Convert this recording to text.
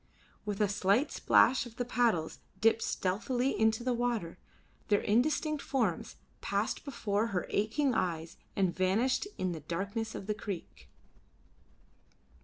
With a slight splash of the paddles dipped stealthily into the water, their indistinct forms passed before her aching eyes and vanished in the darkness of the creek.